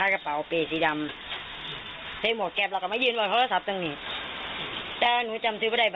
อยู่หลังนั้นกันเลยครับอยู่ข้างนี้เลยอยู่มะดวนเลยครับ